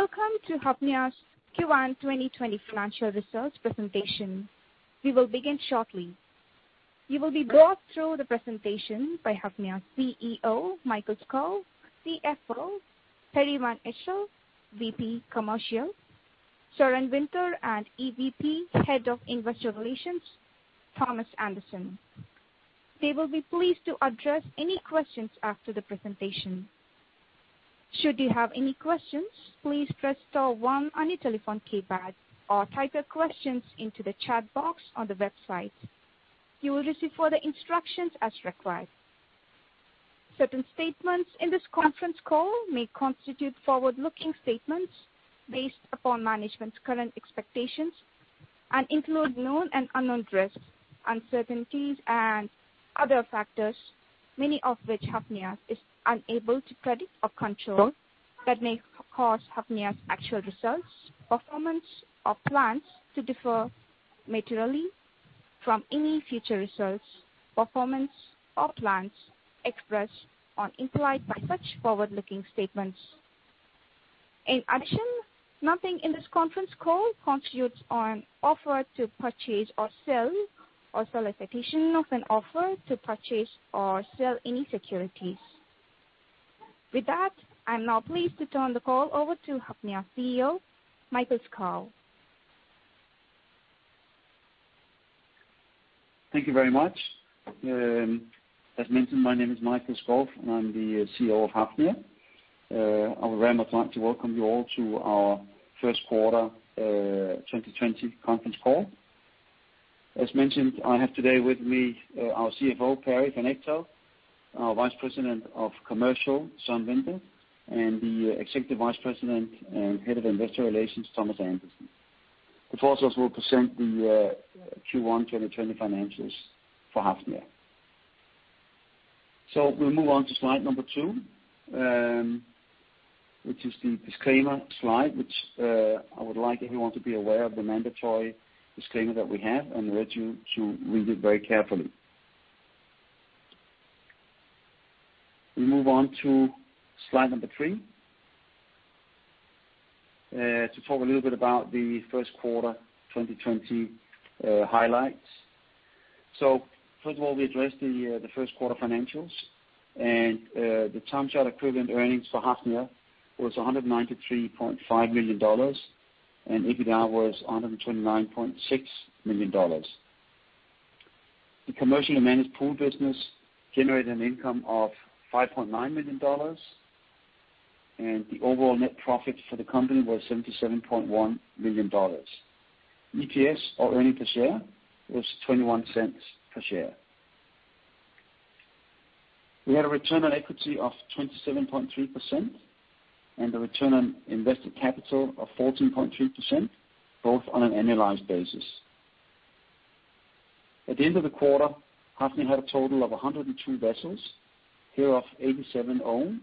Welcome to Hafnia's Q1 2020 financial results presentation. We will begin shortly. You will be walked through the presentation by Hafnia's CEO, Mikael Skov, CFO, Perry van Echtelt, VP Commercial, Søren Winther, and EVP, Head of Investor Relations, Thomas Andersen. They will be pleased to address any questions after the presentation. Should you have any questions, please press star one on your telephone keypad or type your questions into the chat box on the website. You will receive further instructions as required. Certain statements in this conference call may constitute forward-looking statements based upon management's current expectations and include known and unknown risks, uncertainties, and other factors, many of which Hafnia is unable to predict or control, that may cause Hafnia's actual results, performance, or plans to differ materially from any future results, performance, or plans expressed or implied by such forward-looking statements. Nothing in this conference call constitutes an offer to purchase or sell or solicitation of an offer to purchase or sell any securities. With that, I'm now pleased to turn the call over to Hafnia CEO, Mikael Skov. Thank you very much. As mentioned, my name is Mikael Skov, and I'm the CEO of Hafnia. I would very much like to welcome you all to our first quarter 2020 conference call. As mentioned, I have today with me our CFO, Perry van Echtelt, our Vice President of Commercial, Søren Winther, and the Executive Vice President and Head of Investor Relations, Thomas Andersen, who will present the Q1 2020 financials for Hafnia. We'll move on to slide number two, which is the disclaimer slide, which I would like everyone to be aware of the mandatory disclaimer that we have and urge you to read it very carefully. We move on to slide number three, to talk a little bit about the first quarter 2020 highlights. First of all, we addressed the first quarter financials, and the time charter equivalent earnings for Hafnia was $193.5 million, and EBITDA was $129.6 million. The commercially managed pool business generated an income of $5.9 million, and the overall net profit for the company was $77.1 million. EPS, or earnings per share, was $0.21 per share. We had a return on equity of 27.3% and a return on invested capital of 14.3%, both on an annualized basis. At the end of the quarter, Hafnia had a total of 102 vessels, hereof 87 owned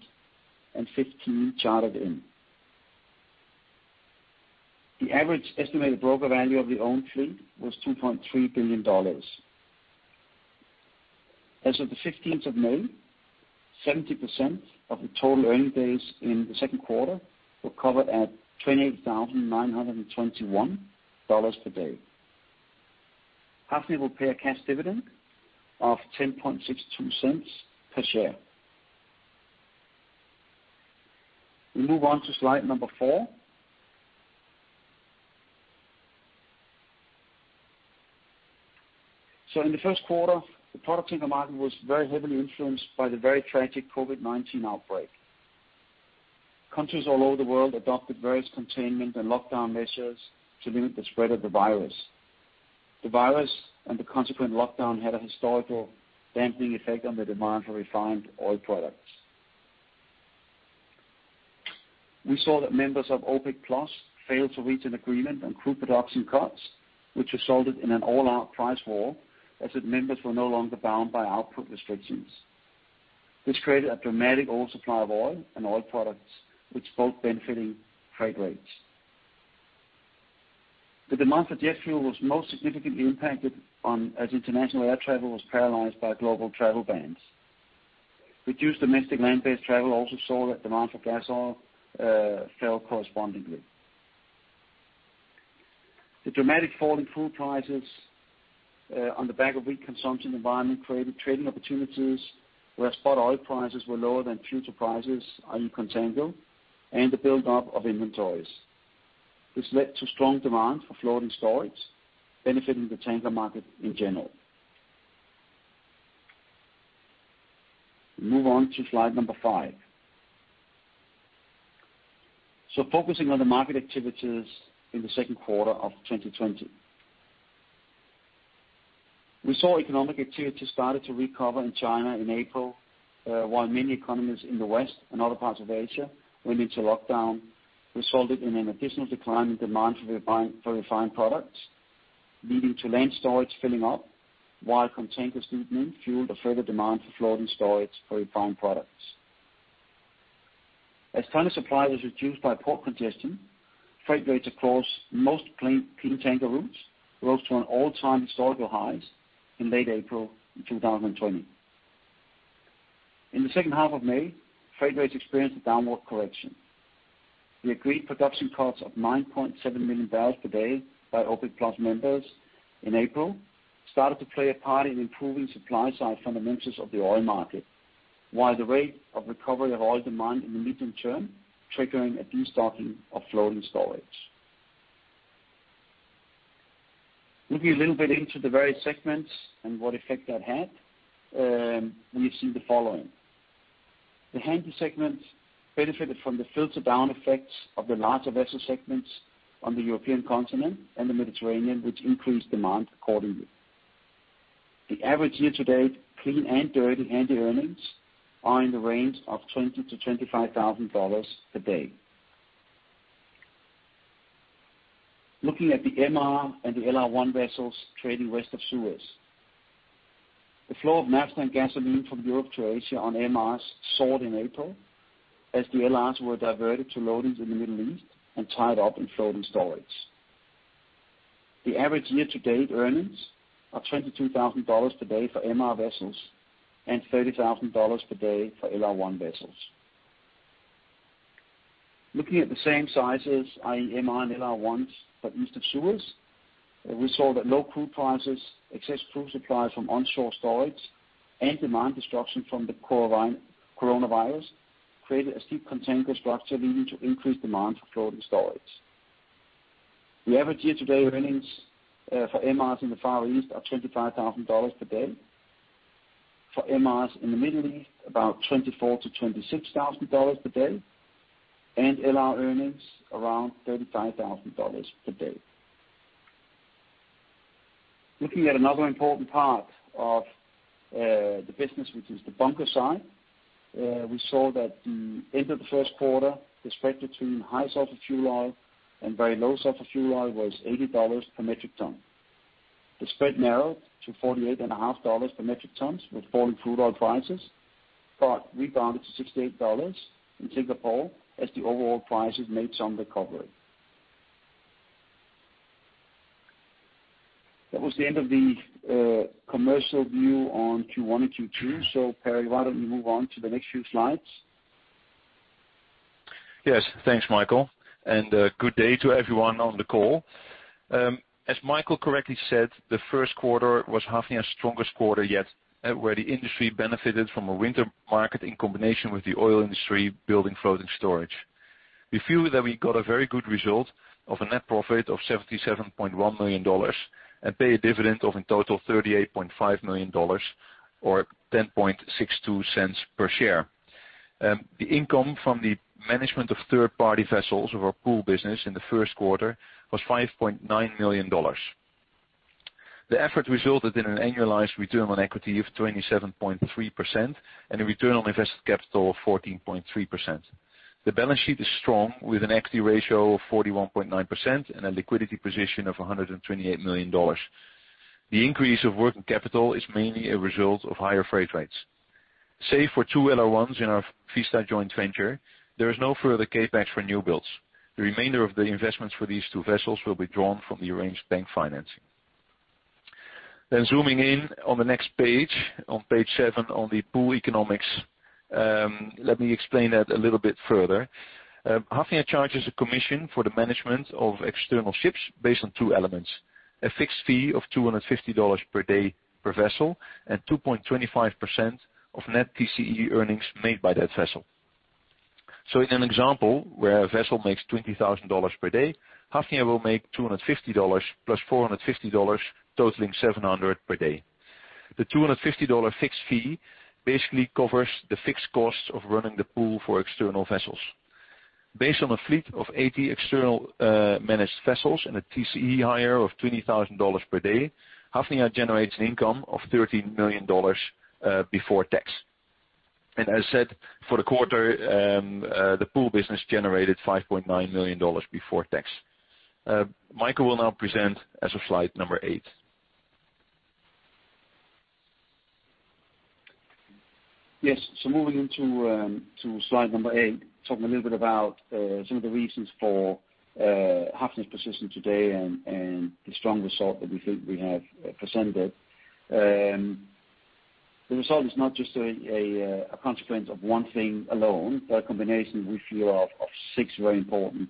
and 15 chartered in. The average estimated broker value of the owned fleet was $2.3 billion. As of the 15th of May, 70% of the total earning days in the second quarter were covered at $28,921 per day. Hafnia will pay a cash dividend of $0.1062 per share. We move on to slide number four. In the first quarter, the product in the market was very heavily influenced by the very tragic COVID-19 outbreak. Countries all over the world adopted various containment and lockdown measures to limit the spread of the virus. The virus and the consequent lockdown had a historical damping effect on the demand for refined oil products. We saw that members of OPEC+ failed to reach an agreement on crude production cuts, which resulted in an all-out price war, as the members were no longer bound by output restrictions. This created a dramatic oversupply of oil and oil products, which both benefiting freight rates. The demand for jet fuel was most significantly impacted as international air travel was paralyzed by global travel bans. Reduced domestic land-based travel also saw that demand for gas oil fell correspondingly. The dramatic fall in crude prices on the back of weak consumption environment created trading opportunities, where spot oil prices were lower than future prices contango and the buildup of inventories. This led to strong demand for floating storage, benefiting the tanker market in general. We move on to slide number five. Focusing on the market activities in the second quarter of 2020. We saw economic activity started to recover in China in April, while many economies in the West and other parts of Asia went into lockdown, resulted in an additional decline in demand for refined products, leading to land storage filling up, while contango steepening fueled a further demand for floating storage for refined products. As tanker supply was reduced by port congestion, freight rates across most clean tanker routes rose to an all-time historical highs in late April in 2020. In the second half of May, freight rates experienced a downward correction. The agreed production cuts of 9.7 million barrels per day by OPEC+ members in April started to play a part in improving supply-side fundamentals of the oil market, while the rate of recovery of oil demand in the medium term triggering a destocking of floating storage. Looking a little bit into the various segments and what effect that had, we see the following. The handy segment benefited from the filter-down effects of the larger vessel segments on the European continent and the Mediterranean, which increased demand accordingly. The average year-to-date clean and dirty handy earnings are in the range of $20,000-$25,000 per day. Looking at the MR and the LR1 vessels trading West of Suez. The flow of naphtha and gasoline from Europe to Asia on MRs soared in April, as the LRs were diverted to loadings in the Middle East and tied up in floating storage. The average year-to-date earnings are $22,000 per day for MR vessels and $30,000 per day for LR1 vessels. Looking at the same sizes, i.e., MR and LR1, but East of Suez, we saw that low crude prices, excess crude supply from onshore storage, and demand destruction from the coronavirus created a steep contango structure leading to increased demand for floating storage. The average year-to-date earnings for MRs in the Far East are $25,000 per day. For MRs in the Middle East, about $24,000-$26,000 per day, and LR earnings around $35,000 per day. Looking at another important part of the business, which is the bunker side, we saw that the end of the first quarter, the spread between high sulfur fuel oil and very low sulfur fuel oil was $80 per metric ton. The spread narrowed to $48.5 per metric ton with falling crude oil prices. Rebounded to $68 in Singapore as the overall prices made some recovery. That was the end of the commercial view on Q1 and Q2. Perry, why don't we move on to the next few slides? Yes. Thanks, Mikael, good day to everyone on the call. As Mikael correctly said, the first quarter was Hafnia's strongest quarter yet, where the industry benefited from a winter market in combination with the oil industry building floating storage. We feel that we got a very good result of a net profit of $77.1 million and pay a dividend of, in total, $38.5 million, or $0.1062 per share. The income from the management of third-party vessels of our pool business in the first quarter was $5.9 million. The effort resulted in an annualized return on equity of 27.3% and a return on invested capital of 14.3%. The balance sheet is strong, with an equity ratio of 41.9% and a liquidity position of $128 million. The increase of working capital is mainly a result of higher freight rates. Save for two LR1s in our Vista joint venture, there is no further CapEx for new builds. The remainder of the investments for these two vessels will be drawn from the arranged bank financing. Zooming in on the next page, on page seven on the pool economics. Let me explain that a little bit further. Hafnia charges a commission for the management of external ships based on two elements. A fixed fee of $250 per day per vessel and 2.25% of net TCE earnings made by that vessel. In an example where a vessel makes $20,000 per day, Hafnia will make $250 plus $450, totaling $700 per day. The $250 fixed fee basically covers the fixed costs of running the pool for external vessels. Based on a fleet of 80 external managed vessels and a TCE hire of $20,000 per day, Hafnia generates an income of $13 million before tax. As I said, for the quarter, the pool business generated $5.9 million before tax. Mikael will now present as of slide number eight. Yes. Moving into slide eight, talking a little bit about some of the reasons for Hafnia's position today and the strong result that we feel we have presented. The result is not just a consequence of one thing alone, but a combination we feel of six very important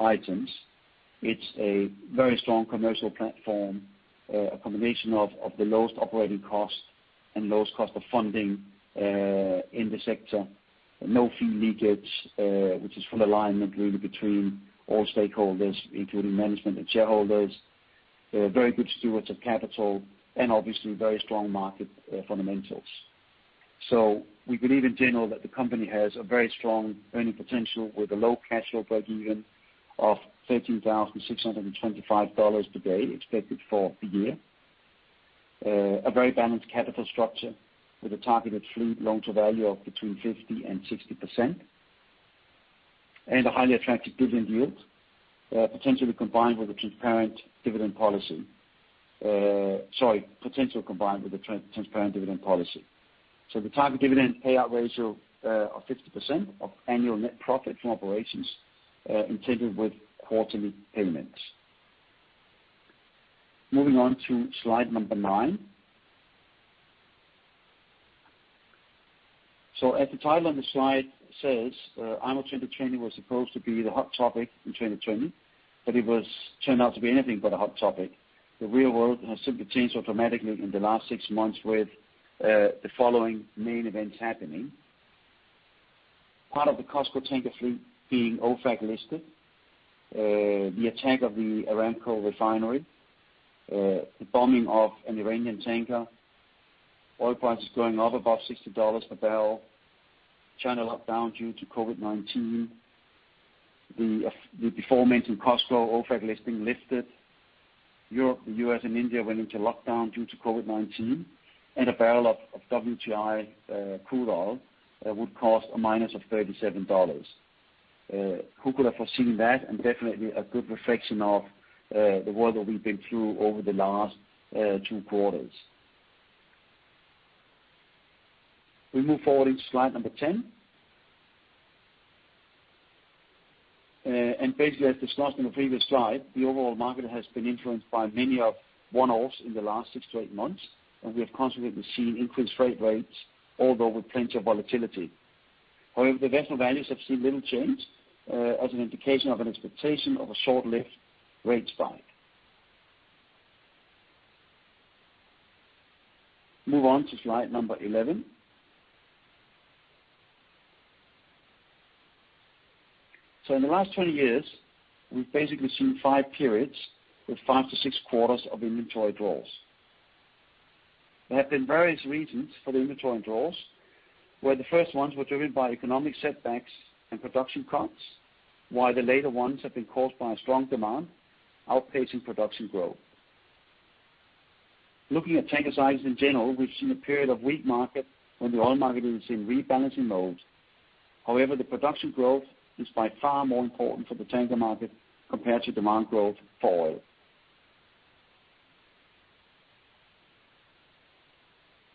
items. It's a very strong commercial platform, a combination of the lowest operating cost and lowest cost of funding in the sector. No fee leakage, which is full alignment really between all stakeholders, including management and shareholders. Very good stewards of capital, obviously very strong market fundamentals. We believe in general that the company has a very strong earning potential with a low cash flow breakeven of $13,625 per day expected for the year. A very balanced capital structure with a targeted fleet loan to value of between 50% and 60%. A highly attractive dividend yield, potentially combined with a transparent dividend policy. Sorry, potential combined with a transparent dividend policy. The target dividend payout ratio of 50% of annual net profit from operations, intended with quarterly payments. Moving on to slide number nine. As the title on the slide says, IMO 2020 was supposed to be the hot topic in 2020, but it has turned out to be anything but a hot topic. The real world has simply changed automatically in the last six months with the following main events happening. Part of the COSCO tanker fleet being OFAC listed, the attack of the Aramco refinery, the bombing of an Iranian tanker, oil prices going up above $60 a barrel, China lockdown due to COVID-19, the aforementioned COSCO OFAC listing lifted, Europe, the U.S., and India went into lockdown due to COVID-19, and a barrel of WTI crude oil would cost a minus of $37. Who could have foreseen that? Definitely a good reflection of the world that we've been through over the last two quarters. We move forward in slide number 10. Basically as discussed on the previous slide, the overall market has been influenced by many one-offs in the last six to eight months, and we have consequently seen increased freight rates, although with plenty of volatility. However, the vessel values have seen little change, as an indication of an expectation of a short-lived rate spike. Move on to slide number 11. In the last 20 years, we've basically seen five periods with five to six quarters of inventory draws. There have been various reasons for the inventory draws, where the first ones were driven by economic setbacks and production cuts, while the later ones have been caused by a strong demand outpacing production growth. Looking at tanker sizes in general, we've seen a period of weak market when the oil market is in rebalancing mode. However, the production growth is by far more important for the tanker market compared to demand growth for oil.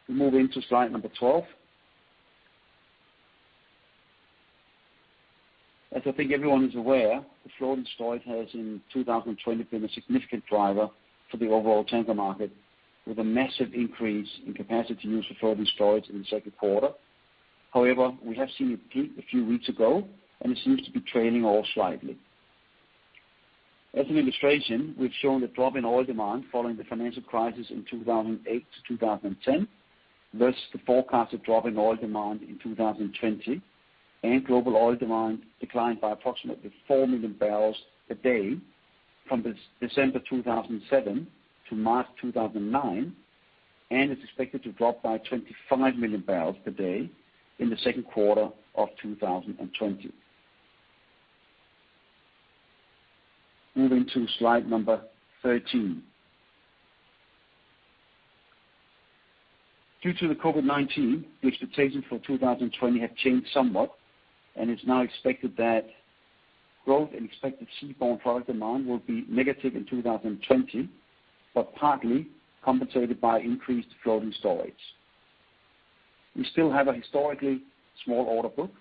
We move into slide number 12. As I think everyone is aware, the floating storage has in 2020 been a significant driver for the overall tanker market, with a massive increase in capacity use for floating storage in the second quarter. However, we have seen a peak a few weeks ago, and it seems to be trailing off slightly. As an illustration, we've shown the drop in oil demand following the financial crisis in 2008-2010, versus the forecasted drop in oil demand in 2020, and global oil demand declined by approximately 4 million barrels a day from December 2007 to March 2009, and it's expected to drop by 25 million barrels per day in the second quarter of 2020. Moving to slide number 13. Due to the COVID-19, the expectations for 2020 have changed somewhat, and it's now expected that growth in expected seaborne product demand will be negative in 2020, but partly compensated by increased floating storage. We still have a historically small order book.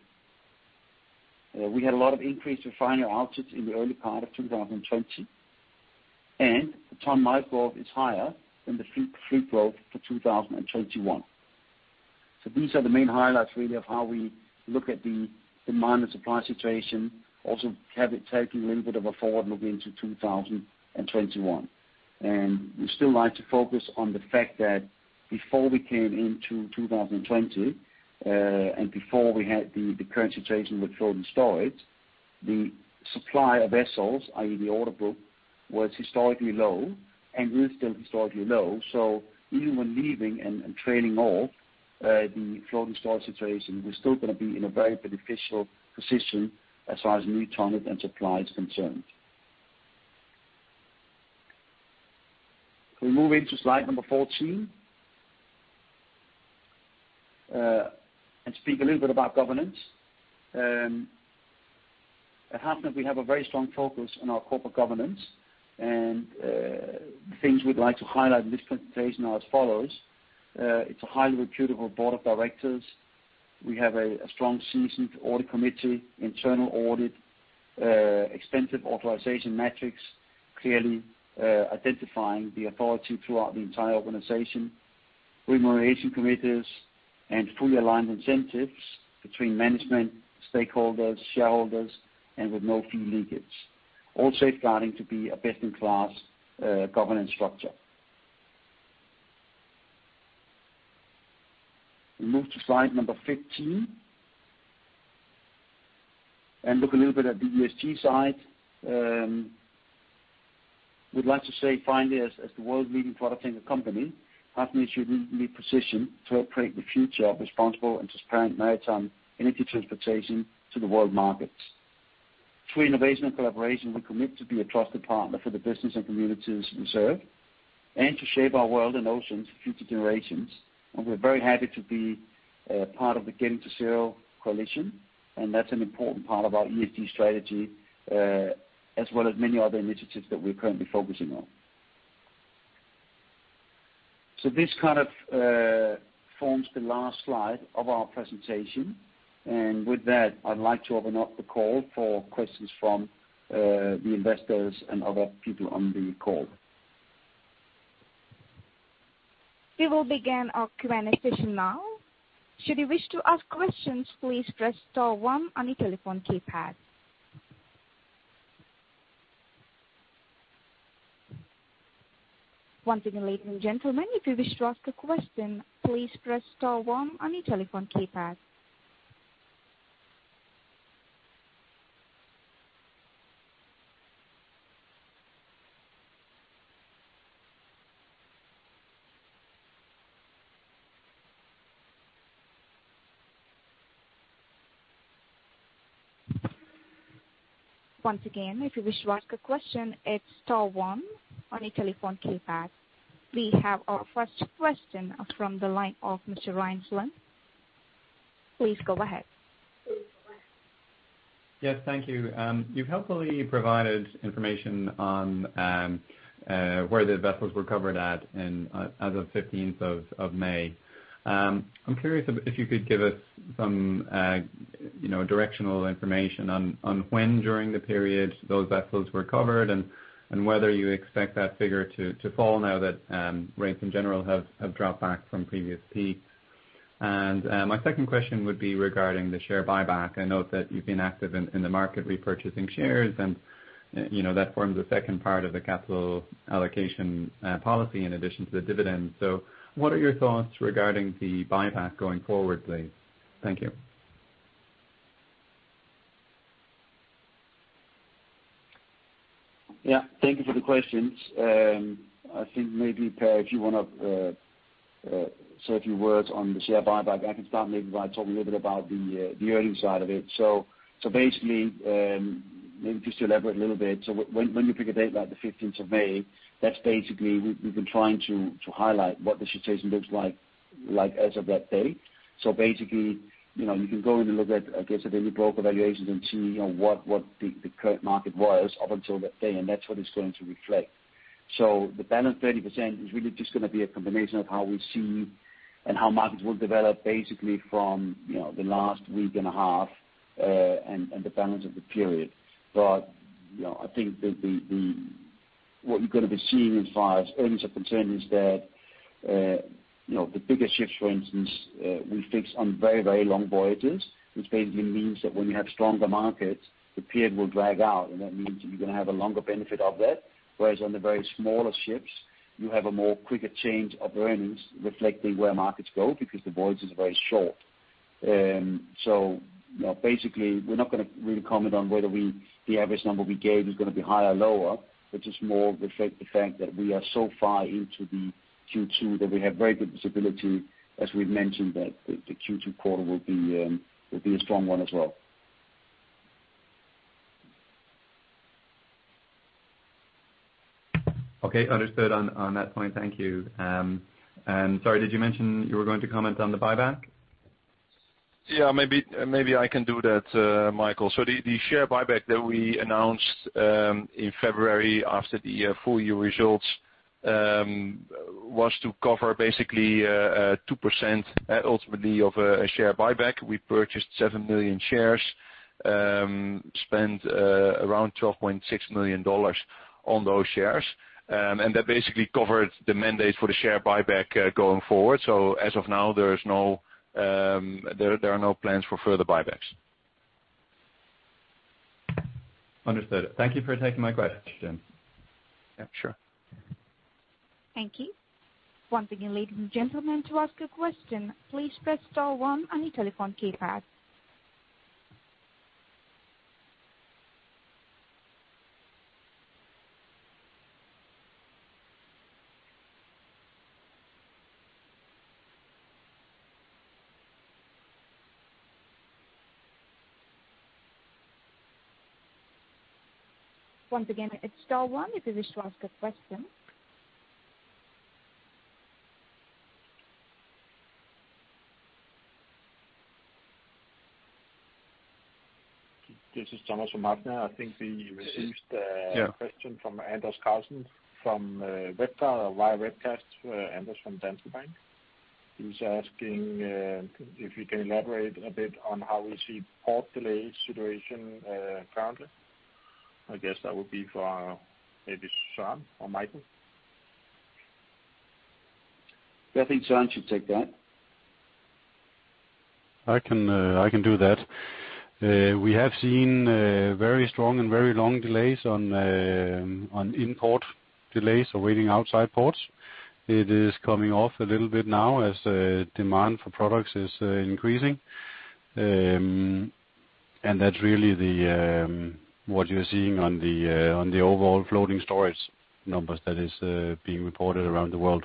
We had a lot of increase in refinery outages in the early part of 2020. The ton-mile growth is higher than the fleet growth for 2021. These are the main highlights, really, of how we look at the demand and supply situation, also taking a little bit of a forward look into 2021. We still like to focus on the fact that before we came into 2020, and before we had the current situation with floating storage, the supply of vessels, i.e., the order book, was historically low and will still historically low. Even when leaving and trailing off the floating storage situation, we're still going to be in a very beneficial position as far as new ton and supply is concerned. We move into slide number 14, and speak a little bit about governance. At Hafnia, we have a very strong focus on our corporate governance, and the things we'd like to highlight in this presentation are as follows. It's a highly reputable board of directors. We have a strong, seasoned audit committee, internal audit, extensive authorization metrics, clearly identifying the authority throughout the entire organization, remuneration committees, and fully aligned incentives between management, stakeholders, shareholders, and with no fee leakage, all safeguarding to be a best-in-class governance structure. We move to slide number 15, and look a little bit at the ESG side. We'd like to say finally, as the world's leading product tanker company, Hafnia should be positioned to operate the future of responsible and transparent maritime energy transportation to the world markets. Through innovation and collaboration, we commit to be a trusted partner for the business and communities we serve, and to shape our world and oceans for future generations. We're very happy to be part of the Getting to Zero Coalition, and that's an important part of our ESG strategy, as well as many other initiatives that we're currently focusing on. This kind of forms the last slide of our presentation. With that, I'd like to open up the call for questions from the investors and other people on the call. We will begin our Q&A session now. Should you wish to ask questions, please press star one on your telephone keypad. Once again, ladies and gentlemen, if you wish to ask a question, please press star one on your telephone keypad. Once again, if you wish to ask a question, it's star one on your telephone keypad. We have our first question from the line of Mr. Ryan Flynn. Please go ahead. Yes. Thank you. You've helpfully provided information on where the vessels were covered at as of 15th of May. I'm curious if you could give us some directional information on when during the period those vessels were covered, and whether you expect that figure to fall now that rates in general have dropped back from previous peaks. My second question would be regarding the share buyback. I note that you've been active in the market repurchasing shares, and that forms a second part of the capital allocation policy in addition to the dividend. What are your thoughts regarding the buyback going forward, please? Thank you. Yeah, thank you for the questions. I think maybe, Perry, if you want to say a few words on the share buyback, I can start maybe by talking a little bit about the earnings side of it. Basically, maybe just to elaborate a little bit. When you pick a date like the 15th of May, that's basically, we've been trying to highlight what the situation looks like as of that day. Basically, you can go in and look at, I guess, the daily broker valuations and see what the current market was up until that day, and that's what it's going to reflect. The balance 30% is really just going to be a combination of how we see and how markets will develop basically from the last week and a half, and the balance of the period. I think what you're going to be seeing as far as earnings are concerned is that the bigger ships, for instance, we fixed on very long voyages, which basically means that when you have stronger markets, the period will drag out, and that means that you're going to have a longer benefit of that. Whereas on the very smaller ships, you have a more quicker change of earnings reflecting where markets go because the voyage is very short. Basically, we're not going to really comment on whether the average number we gave is going to be high or lower, but just more reflect the fact that we are so far into the Q2 that we have very good visibility, as we've mentioned, that the Q2 quarter will be a strong one as well. Okay. Understood on that point. Thank you. Sorry, did you mention you were going to comment on the buyback? Yeah, maybe I can do that, Mikael. The share buyback that we announced in February after the full year results, was to cover basically 2% ultimately of a share buyback. We purchased 7 million shares, spent around $12.6 million on those shares. That basically covered the mandate for the share buyback going forward. As of now, there are no plans for further buybacks. Understood. Thank you for taking my question. Yeah, sure. Thank you. Once again, ladies and gentlemen, to ask a question, please press star one on your telephone keypad. Once again, it's star one if you wish to ask a question. This is Thomas from Hafnia. I think we received a- Yeah question from Anders Karlsen from Webcast, via webcast, Anders from Danske Bank. He's asking if you can elaborate a bit on how we see port delay situation currently. I guess that would be for maybe Søren or Mikael. I think Søren should take that. I can do that. We have seen very strong and very long delays on import delays or waiting outside ports. It is coming off a little bit now as demand for products is increasing. That's really what you're seeing on the overall floating storage numbers that is being reported around the world.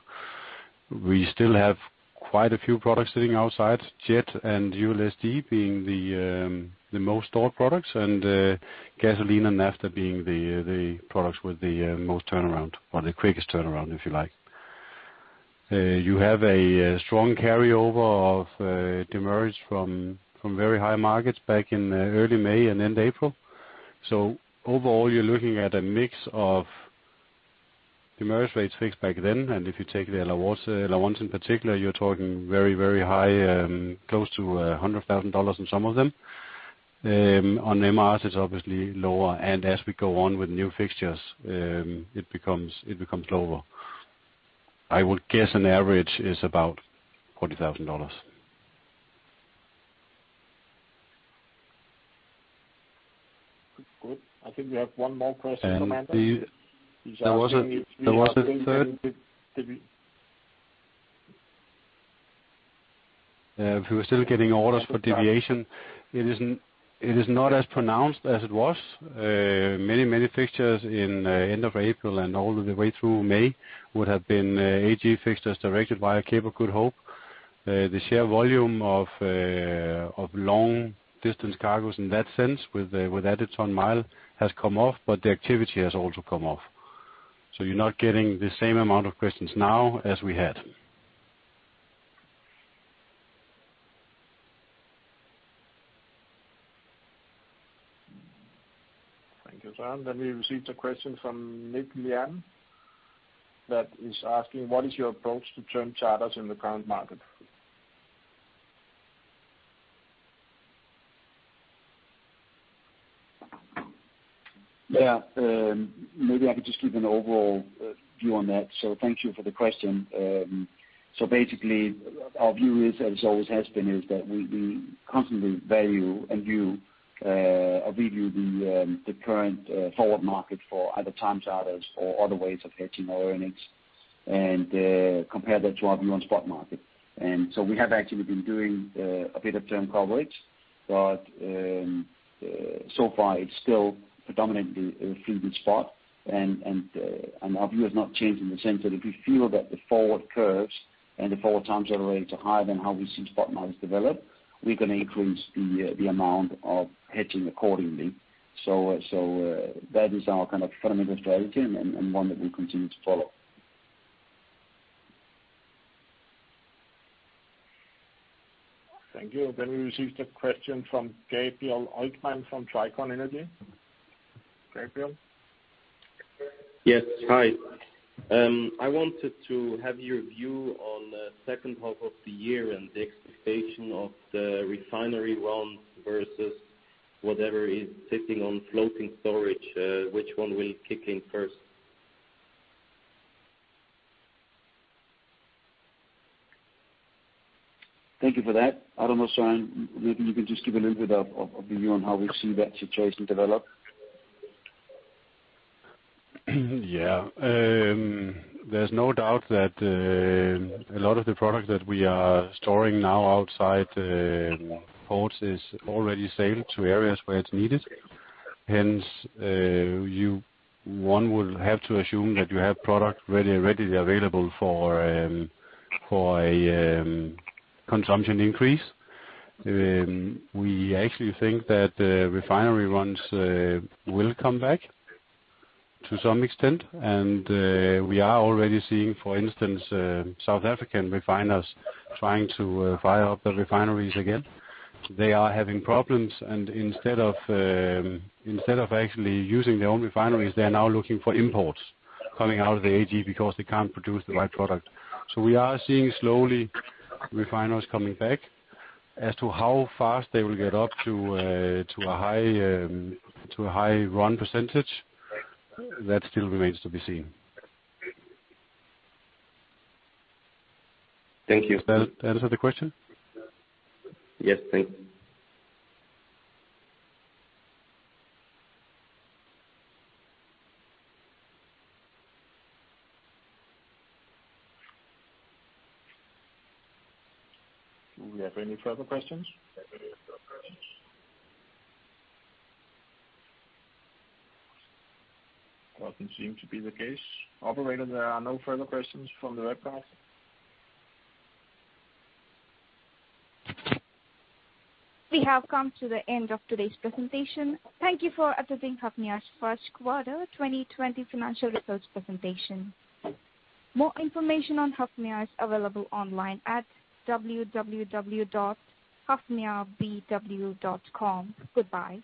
We still have quite a few products sitting outside, jet and ULSD being the most stored products, and gasoline and naphtha being the products with the most turnaround or the quickest turnaround, if you like. You have a strong carryover of demurrage from very high markets back in early May and end April. Overall, you're looking at a mix of the demurrage rates fixed back then, and if you take the LR1s in particular, you're talking very high, close to $100,000 on some of them. On MRs, it's obviously lower. As we go on with new fixtures, it becomes lower. I would guess on average is about $40,000. Good. I think we have one more question, Amanda. If we were still getting orders for deviation, it is not as pronounced as it was. Many fixtures in end of April and all the way through May would have been AG fixtures directed via Cape of Good Hope. The sheer volume of long-distance cargoes in that sense with added ton-mile has come off, but the activity has also come off. You're not getting the same amount of questions now as we had. Thank you, Søren. We received a question from Nick Lian that is asking, "What is your approach to term charters in the current market? Yeah. Maybe I could just give an overall view on that. Thank you for the question. Basically, our view is, as always has been, is that we constantly value and view, or review the current forward market for other time charters or other ways of hedging our earnings and compare that to our view on spot market. We have actually been doing a bit of term coverage, but so far it's still predominantly through the spot and our view has not changed in the sense that if we feel that the forward curves and the forward time charters are higher than how we see spot markets develop, we're going to increase the amount of hedging accordingly. That is our kind of fundamental strategy and one that we continue to follow. Thank you. We received a question from Gabriel Oickman from Tricon Energy. Gabriel? Yes. Hi. I wanted to have your view on the second half of the year and the expectation of the refinery runs versus whatever is sitting on floating storage, which one will kick in first? Thank you for that. I don't know, Søren, maybe you can just give a little bit of a view on how we see that situation develop. Yeah. There's no doubt that a lot of the product that we are storing now outside ports is already sailed to areas where it's needed. Hence, one would have to assume that you have product readily available for a consumption increase. We actually think that refinery runs will come back to some extent, and we are already seeing, for instance South African refiners trying to fire up the refineries again. They are having problems and instead of actually using their own refineries, they are now looking for imports coming out of the AG because they can't produce the right product. We are seeing slowly refiners coming back. As to how fast they will get up to a high run percentage, that still remains to be seen. Thank you. Does that answer the question? Yes. Thank you. Do we have any further questions? That doesn't seem to be the case. Operator, there are no further questions from the webcast. We have come to the end of today's presentation. Thank you for attending Hafnia's first quarter 2020 financial results presentation. More information on Hafnia is available online at www.hafniabw.com. Goodbye.